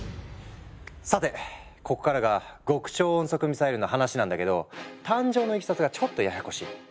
さてここからが極超音速ミサイルの話なんだけど誕生のいきさつがちょっとややこしい。